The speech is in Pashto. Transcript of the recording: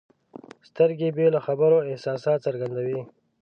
سترګې بې له خبرو احساسات څرګندوي.